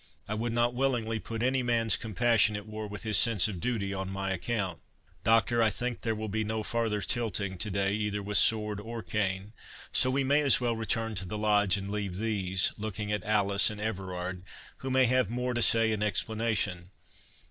I would not willingly put any man's compassion at war with his sense of duty on my account.—Doctor, I think there will be no farther tilting to day, either with sword or cane; so we may as well return to the Lodge, and leave these"—looking at Alice and Everard—"who may have more to say in explanation."